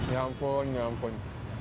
ya ampun ya ampun